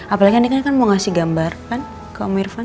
apalagi nek nek kan mau ngasih gambar kan ke om irfan